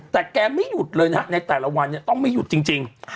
แต่แกไม่หยุดเลยนะฮะในแต่ละวันเนี่ยต้องไม่หยุดจริง